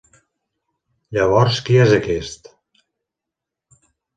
Llavors qui és aquest?